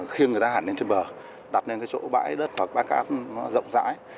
khi người ta hẳn lên trên bờ đặt lên cái chỗ bãi đất hoặc bãi cát nó rộng rãi